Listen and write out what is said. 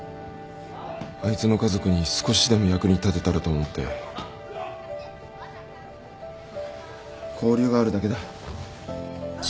あいつの家族に少しでも役に立てたらと思って交流があるだけだ。